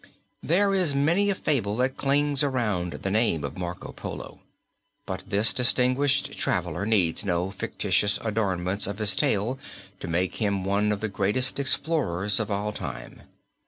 There is many a fable that clings around the name of Marco Polo, but this distinguished traveler needs no fictitious adornments of his tale to make him one of the greatest explorers of all time.